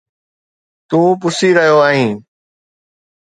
تون پسي رهيو آهين